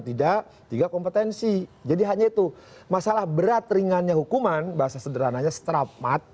tidak tiga kompetensi jadi hanya itu masalah berat ringannya hukuman bahasa sederhananya stramat